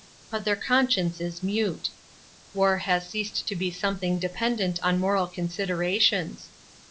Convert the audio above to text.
But their conscience is mute. War has ceased to be something dependent on moral considerations.